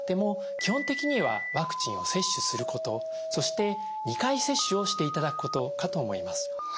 基本的にはワクチンを接種することそして２回接種をしていただくことかと思います。